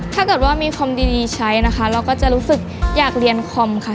ถ้าเกิดว่ามีคอมดีใช้นะคะเราก็จะรู้สึกอยากเรียนคอมค่ะ